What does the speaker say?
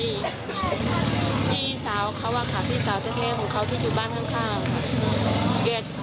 พี่สาวเขาอะค่ะพี่สาวแท้ของเขาที่อยู่บ้านข้าง